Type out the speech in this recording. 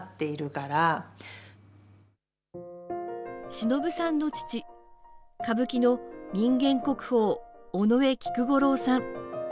しのぶさんの父、歌舞伎の人間国宝、尾上菊五郎さん。